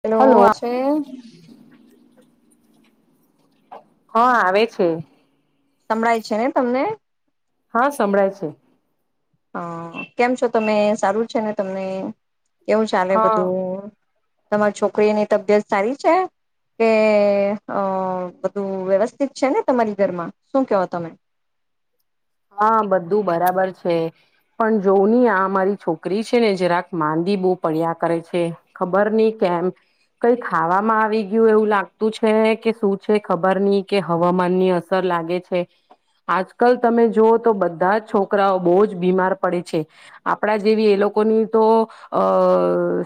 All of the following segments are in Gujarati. હેલો હલો આશેય હા, આવે છે. સંળાય છે ને તમને? હા, સંભળાય છે. હ, કેમ છો તમે? સારું છે ને તમને? કેવું ચાલે હા બધું? તમારી છોકરીની તબિયત સારી છે? કે અ બધું વ્યવસ્થિત છે ને તમારી ઘરમાં? શું કેહો તમે? હા બધું બરાબર છે, પણ જોવ નહી આ અમારી છોકરી છે ને જરાક માંદી બહુ પડ્યા કરે છે, ખબર નહી કેમ, કઈ ખાવામાં આવી ગયું એવું લાગતું છે કે શું છે ખબર નહી કે હવામાન ની અસર લાગે છે, આજકાલ તમે જોઓ તો બધા જ છોકરાઓ બહુ જ બીમાર પડે છે, આપણા જેવી એ લોકોની તો, અ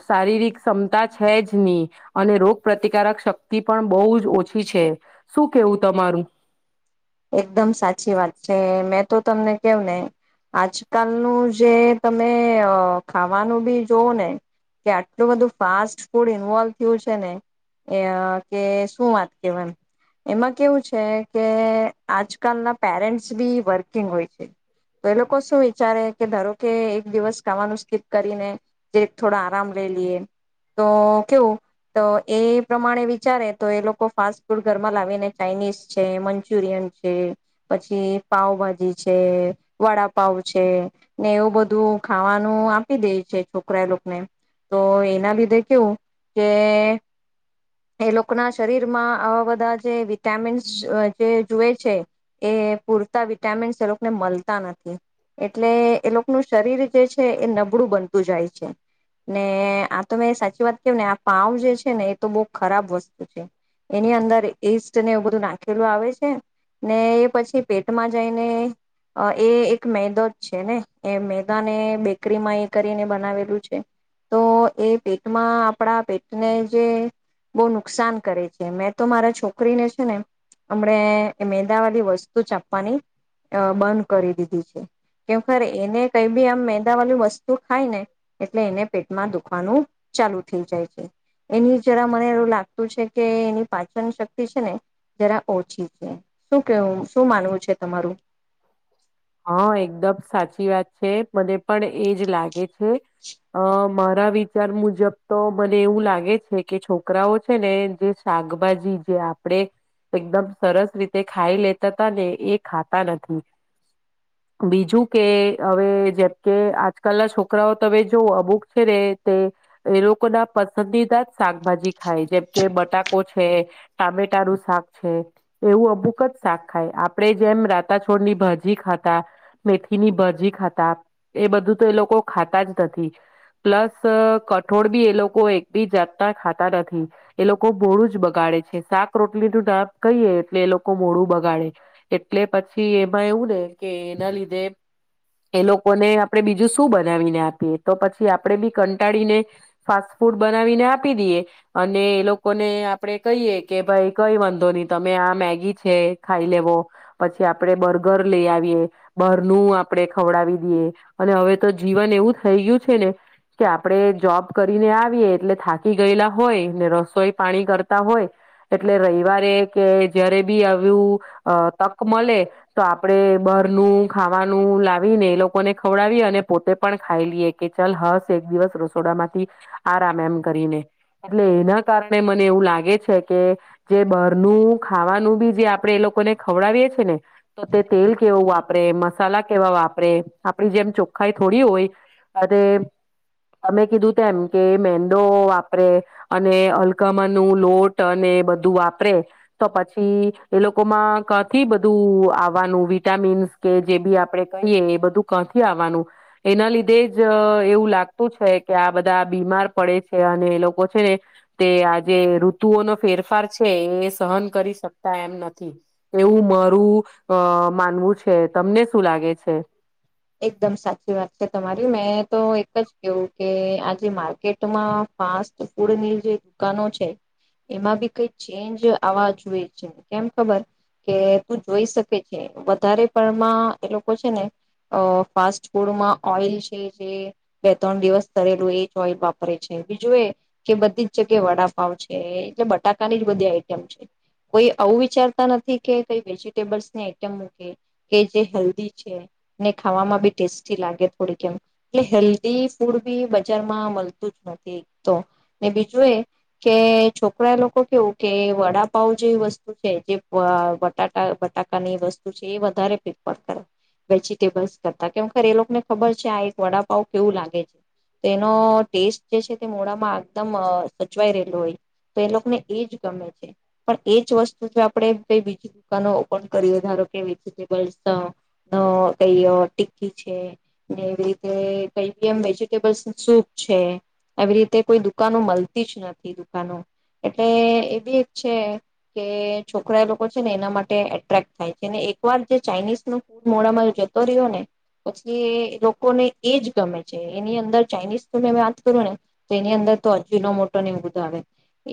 શારીરિક ક્ષમતા છે જ નહી, અને રોગ પ્રતિકારક શક્તિ પણ બહુ જ ઓછી છે, શું કેવું તમારું. એકદમ સાચી વાત છે, મે તો તમને કેવ ને આજકાલનું જે તમે ખાવાનું બી જોવ ને, કે આટલું બધું ફાસ્ટ ફૂડ ઇન્વોલ્ થયું છે ને કે શું વાત કે એમ, એમાં કેવું છે કે આજકાલના પેરેન્ટસ બી વર્કિંગ હોય છે, તો એ લોકો શું વિચારે કે ધારો કે એક દિવસ ખાવાનું સ્કીપ કરીને, જે થોડા આરામ લે લઈએ, તો કેવું તો એ પ્રમાણે વિચારે તો એ લોકો ફાસ્ટ ફૂડ ઘરમાં લાવીને ચાઇનીઝ છે મંચુરિયન છે. પછી પાાવભાજી છે વડાપાવ છે, ને એવું બધું ખાવાનું આપી દે છે છોકરા એ લોકોને, તો એના લીધે કેવું કે એ લોકો ના શરીર માં આવા બધા જે વિટામીન્સ જુએ છે, એ પૂરતા વિટામિન્સ એ લોકોને મળતા નથી એટલે એ લોકોનું શરીર જે છે એ નબળું બનતું જાય છે, ને આ તો મેં સાચી વાત કે ને આ પાવ જે છે ને એ તો બહુ ખરાબ વસ્તુ છે, એની અંદર ઈસ્ટને એવું બધું નાખેલું આવે છે. ને એ પછી પેટમાં જઈને એ એક મેદો જ છે ને એ મેદાને બેકરીમાં એ કરીને બનાવેલું છે, તો એ પેટમાં આપણા પેટને જે બહુ નુકસાન કરે છે. તો મારા છોકરીને છે ને હમને એ મેંદાવાળી વસ્તુ ચાપવાની અ બંધ કરી દીધી છે, કે એને કઈ બી આમ મેંદા વાળું વસ્તુ શું ખાય ને, એટલે એને પેટમાં દુખ ખવાનું ચાલુ થઈ જાય છે, એની જરા મને એવું લાગતું છે કે એની પાચન શક્તિ છે ને જરા ઓછી છે. શું કેવું શું માનવું છે તમારું. હા એકદમ સાચી વાત છે મને પણ એજ લાગે છે, અ મારા વિચાર મુજબ તો મને એવું લાગે છે કે છોકરાઓ છે ને જે શાકભાજી જે આપણેે, એકદમ સરસ રીતે ખાઈ લેતા હતા ને એ ખાતા નથી. બીજું કે હવે જેમ કે આજકાલ ના છોકરાઓ તમે જો અમુક છે ને તે, એ લોકો ના પસંદીદા જ શાકભાજી થાય જેમ કે બટાકો છે, ટામેટાનું શાક છે, એવું અમુક જ શાક ખાય આપડે જેમ રાતા છોડની ભાજી ખા તા, મેથી ની ભાજી ખાતા, એ બધું તો એ લોકો ખાતા જ નથી, પ્લસ કઠોળ બી એ લોકો એક બી જાતના ખાતા નથી, એ લોકો મોડું જ બગાડે છે શાક રોટલી નું નામ કહીએ એટલે એ લોકો મોડું બગાડે, એટલે પછી એમાં એવું ને. કે એના લીધે એ લોકોને આપણેે બીજું શું બનાવીને આપીએ તો પછી આપડે બી કંટાળીને, ફાસ્ટ ફૂડ બનાવીને આપી દઈએ, અને એ લોકોને આપણે કહીએ કે ભાઈ કઈ વાંધો નહી તમે આ મેગી છે ખાઈ લેવો, પછી આપણે બર્ગર લઈ બરનું આપણે ખવડાવી દઈએ, અને હવે તો જીવન એવું થઈ ગયું છે ને, કે આપણે જોબ કરીને આવીએ એટલે થાકી ગયેલા હોય ને રસોઈ પાણી કરતા હોય, એટલે રવિવારે કે જયારે બી આવું, તક મળે તો આપણે બરનું ખાવાનું લાવી ને એ લોકોને ખવડાવીએ અને પોતે પણ ખાઈ લઈએ કે ચાલ હસ એક દિવસ રસોડા માંથી, આરામ એમ કરીને, એટલે એના કારણે મને એવું લાગે છે કે જે બહનું ખાવાનું બી જે આપણે એ લોકોને ખવડાવીએ ને. તો તે તેલ વાપરે મસાલા કેવા વાપરે આપડી જેમ ચોખ્ખાઈ થોડી હો અને અમે કીધું તેમ કે મેંદો વાપરે, અને અલગમા નું લોટ અને બધું વાપરે, તો પછી એ લોકોમાં કથી બધું આવાનું. વિટામીન્સ કે જે બી આપડણે કહીએ એ બધું કંથી આવવાનું, એના લીધે જ એવું લાગતું છે કે આ બધા બીમાર પડે છે અને એ લોકો છે ને, તે આ જે ઋતુઓનો ફેરફાર છે એ સહન કરી શકતા એમ નથી, એવું મારું અ માનવું છે તમને શું લાગે છે. એકદમ સાચી વાત છે તમારી મેં તો એક જ કેવું કે આજે માર્કેટમાં ફાસ્ટ ફૂડની જે દુકાનો છે, એમાં બી કઈ ચેન્જ આવવા જોઈએ છે કેમ ખબર, કે તું જોઈ શકે છે વધારે પણમાં એ લોકો છે ને. અ ફાસ્ટ ફૂડમાં ઓઈલ છે જે બે ત્રણ દિવસ કરેલું એ જ ઓઈલ વાપરે છે બીજું એ કે બધી જ જગ્યા વડાપાવ છે એટલે બટાકાની જ બધી આઈટમ છે, કોઈ આવું વિચારતા નથી કે કઈ વેજીિટેબલ્સ ની આઈટમ મૂકે, કે જે હેલ્ધ છે. ને ખાવામાં બી ટેસ્ટી લાગે થોડીક એમ, એટલે હેલ્ધી ફૂડ બી બજારમાં મળતું જ નથી એક તો, ને બીજું એ, કે છોકરા એ લોકો કેવું કે વડાપાવ જે વસ્તુ છે જે બટા બટાકાની વસ્તુ છે એ વધારે પ્રેફર કરે. વેજીિટેબલ્સ કરતા કેખર એ લોકોને ખબર છે આ એક વડાપાવ કેવું લાગે છે, તો એનો ટેસ્ટ જે છે તે મોડામાં એકદમ સચવાઈ રહેલો હોય, તો એ લોકોને એજ ગમે છે, પણ એજ વસ્તુ જો આપણે ક બીજી દુકાનો ઓપન કરી ધારો કે વેજીિટેબલ્સ. અ કઈ ટીકી છે ને એવી રીતે કઈ બી એમ વેજીિટેબલ્સ સૂપ છે, આવી રીતે કોઈ દુકાનો મળતી જ નથી દુકાનો, એટલે એવી એક છે કે છોકરા એ લોકો છે ને એના માટે એટ્રેક્ટ થાય છે ને એક વાર જે ચાઇનીઝ નું મોડામાં જતો રહ્યો ને, પછી લોકોને એજ ગમે છે એની અંદર ચાાઈનીઝ ત મે વાત કરું ને, તો એની અંદર તો અજીનો મોટો ની બુંધ આવે,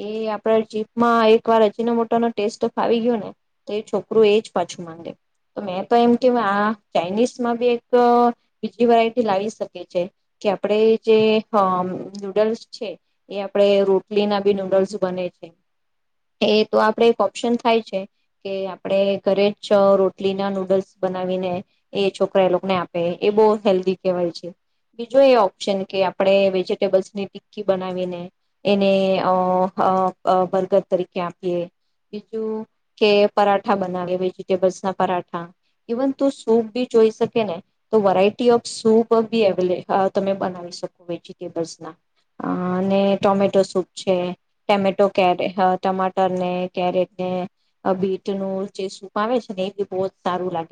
એ આપડા જીપમાં એક વાર અજીનો મોટાનો ટેસ્ટ ફાવી ગયો ને, તો એ છોકરું એજ પાછું માંગે, તો મેં તો એમ કે આ ચાઇનીઝ માં બી એક બીજી વેરાયટી લાવી શકી છે, કે આપણે જે નૂડલ્સ છે એ આપણે રોટલી ના બી નૂડલ્સ બને છે, એ તો આપણે એક ઓપ્શન થાય છે, કે આપણે ઘરે જ રોટલી ના નૂડલ્સ બવીને એ છોકરા એ લોકોને આપે એ બહ હેલ્ધી કહેવાય છે, બીજું એ ઓપ્શન કે આપણે વેજીિટેબલ્સની ટિકકી બનાવીને, એને બર્ગર તરીકે આપીએ બીજું કે પરાઠા બનાવીએ વેજીિટેબલ્સ ના પરાઠા. ઇવન તો સૂપ બી જોઈ શકેને, તો વરાઈટી ઓફ સૂપ બી અવેલે તમે બનાવી શકો વેજીિટેબલ્સના, અને ટોમેટો સૂપ છે ટમેટો કેરે ટમાટર ને કેરેટ ને બીટનું જે સૂપ આવે છે ને એ બી બહુ સારું લાગે.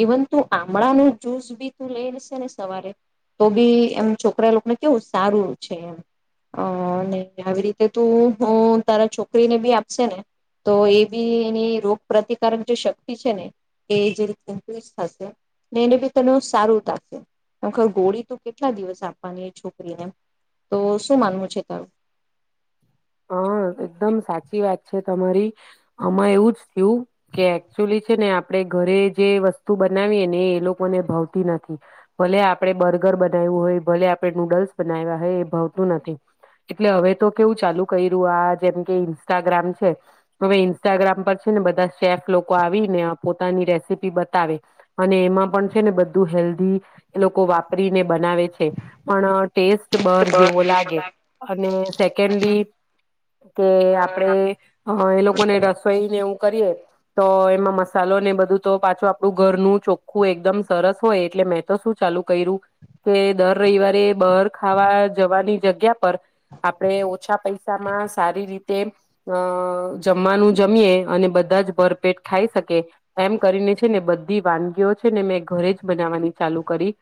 ઈવન તું આમળાનું જુસ બી તું લઈ લેશેને સવારે તો બી એમ, છોકરા લોકોને કેવું સારું છે એમને આવી રીતે તું તારા છોકરીને બી આપશે ને. તો એ બી એની રોગ પ્રતિકારક જે શક્તિ છે ને, એ થશે, એને બી તને સારું થશેર ગોળી ત કેટલા દિવસ આપવાની એ છોકરીને, તો શું માનવું છે તારું. હ એકદમ સાચી વાત છે તમારી, આમાં એવું જ થયું કે એકચુલી છે ને આપણેે ઘરે જે વસ્તુ બનાવીએ ને એ લોકોને ભાવતી નથી, ભલે આપડે બર્ગર બનાવ્યું હોય ભલે આપડણે નૂડલ્સ બનાવ્યા હોય એ ભાવતું નથી, એટલે હવે તો કેવું ચાલુ જેમ કે ઈન્સ્ટાગ્રામ છે હવે ઈન્સ્ટાગ્રામ પર છે ને બધા શેફ લોકો આવીને પોતાની રેસીપી બતાવે, અને એમાં પણ છે ને બધું હેલ્ધી એ લોકો વાપરીને બનાવે છે, પણ ટેસ્ટ બાર જેવો લાગે, બધા અને સેકન્ડલી કે આપડે એ લોકોને રસોઈને એવું કરીએ તો એમાં મસાલો ને બધું તો પાછો આપણું ઘરનું ચોખ્ખું એકદમ સરસ હોય એટલે મેં તો શું ચાલુ કર્યું કે દર રવિવારે બહાર ખાવા જવાની જગ્યા પર આપણે ઓછા પૈસા માં સારી રીતે અ જમવાનું જમીયે અને બધા જ ભરપેટ ખાઈ શકે એમ કરીને છે ને બધી વાનગીઓ છે ને મેં ઘરે જ બનાવવાની ચાલુ કરી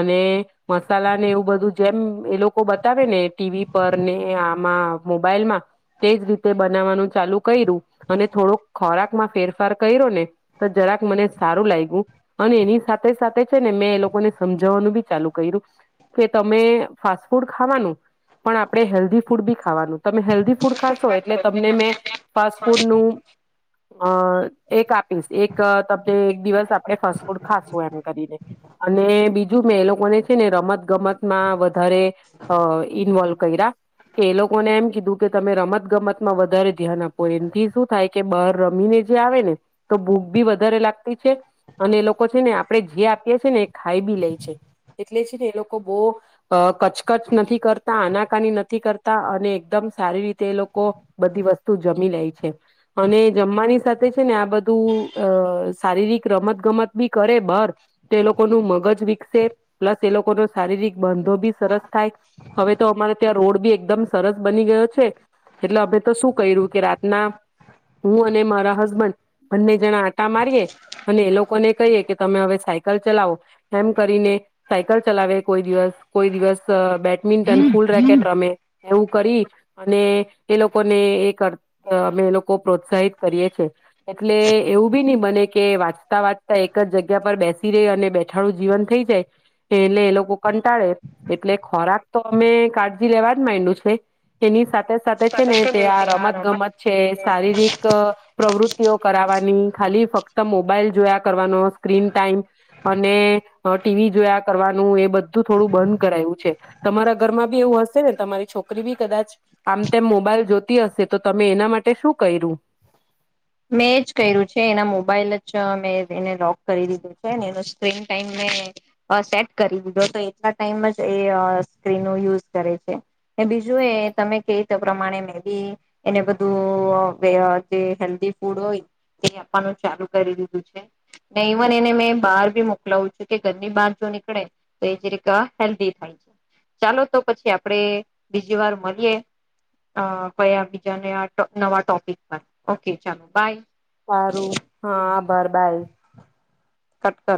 અને મસાલા ને એવું બધું જેમ એ લોકો બતાવે ને ટીવી પર ને આમાં મોબાઈલમાં તેજ રીતે બનાવવાનું ચાલુ કર્યું અને થોડોક ખોરાકમાં ફેરફાર કર્યો ને તો જરાક મને સારું લાગ્યું અને એની સાથે સાથે છે ને મેં એ લોકોને સમજવાનું બી ચાલુ કર્યું કે તમે ફાસ્ટ ફૂડ ખાવાનું પણ આપણે હેલ્ધી ફૂડ બી ખાવાનું તમે હેલ્ધી ફૂડ ખાશો એટલે તમને મે ફાસ્ટફૂડ નું હા અ એક આપીશ એક તમને એક દિવસ આપણે ફાસ્ટ ફૂડ ખાશું એમ કરીને અને બીજું મેં એ લોકોને છે ને રમત ગમતમાં વધારે ઇન્વોલ્વ કર્યા કે એ લોકોને એમ કીધું કે તમે રમત ગમતમાં વધારે ધ્યાન આપો એમથી શું થાય કે બહાર રમીને જે આવે ને તો ભૂખ બી વધારે લાગતી છે અને એ લોકો છે ને આપણે જે આપીએ છે ને એ ખાઈ બી લે છે એટલે છે ને એ લોકો બહુ કચકચ નથી કરતા આનાકાની નથી કરતા અને એકદમ સારી રીતે એ લોકો બધી વસ્તુ જમી લે છે અને જમવાની સાથે છે ને આ બધું અ શારીરિક રમત ગમત બી કરે બહાર તો એ લોકો ન મગજ વિકસે પ્લસ એ લોકો ન શારીરિક બંધો બી સરસ થાય હવે તો અમારે ત્યાં રોડ બી એકદમ સરસ બની ગયો છે એટલે અમે તો શું કર્યું કે રાતના હું અને મારા હસબન્ડ બંને જણા આટા મારીએ અને એ લોકોને કહીએ કે તમે હવે સાયકલ ચલાવો એમ કરીને સાયકલ ચલાવે કોઈ દિવસ કોઈ દિવસ બે બેડમિન્ટન ફૂલ રેકેટ રમે એવું કરી અને એ લોકોને એ કર અમે એ લોકો પ્રોત્સાહિત કરીએ છે એટલે એવું બી નહી બને કે વાંચતા વાંચતા એક જ જગ્યા પર બેસી રે અને બેઠાડું જીવન થઈ જાય એટલે એ લોકો કંટાળે એટલે ખોરાક તો અમે કાળજી લેવા જ માંડું છે તેની સાથે સાથે છે ને ત્યાં રમત, ગમત છે. મેં શારીરિક પ્રવૃતિ ટેવ કરાવાની ખાલી ફક્ત મોબાઈલ જોયા કરવાનો સ્ક્રીન ટાઈમ અને ટીવી જોયા કરવાનું એ બધું થોડું બંધ કરાયું છે તમારા ઘરમાં બી એવું હશે ને તમારી છોકરી બી કદાચ આમ તેમ મોબાઈલ જોતી હશે તો તમે એના માટે શું કર્યું મેં એજ કર્યું છે એના મોબાઈલ જ મેં એને લોક કરી દીધું છે એનો સ્ક્રીન ટાઈમ મેં અ સેટ કરી દીધો તો એટલા ટાઈમ જ એ સ્ક્રીનનો યુઝ કરે છે બીજું એ તમે કેય તો પ્રમાણે મે બી એને બધું જે અ હેલ્ધી ફૂડ હોય એ આપવાનું ચાલુ કરી દીધું છે ને ઇવન એને મેં બહાર ભી મોકલાવું છું કે ઘરની બહાર જો નીકળે તો એ જીરીક હેલ્ધી થાય છે ચાલો તો પછી આપડે બીજી વાર મળીએ કયા બીજા નવા ટોપિક પર ઓકે. ચાલો બાય. સારું હા આભાર બાય કટ કર.